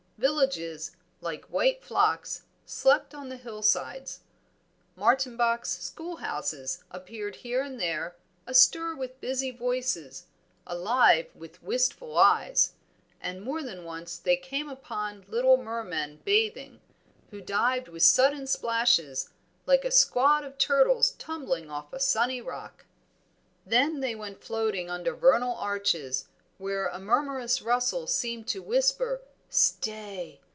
Villages, like white flocks, slept on the hillsides; martinbox schoolhouses appeared here and there, astir with busy voices, alive with wistful eyes; and more than once they came upon little mermen bathing, who dived with sudden splashes, like a squad of turtles tumbling off a sunny rock. Then they went floating under vernal arches, where a murmurous rustle seemed to whisper, "Stay!"